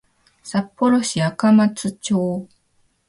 札幌市赤松町